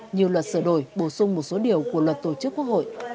như luật sửa đổi bổ sung một số điều của luật tổ chức quốc hội